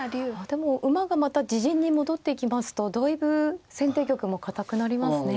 でも馬がまた自陣に戻ってきますとだいぶ先手玉も堅くなりますね。